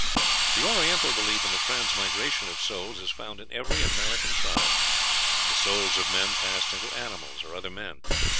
The Oriental belief in the transmigration of souls is found in every American tribe. The souls of men passed into animals or other men.